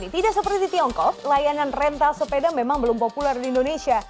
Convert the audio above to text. tidak seperti di tiongkok layanan rental sepeda memang belum populer di indonesia